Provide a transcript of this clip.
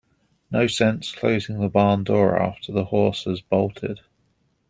No sense closing the barn door after the horse has bolted.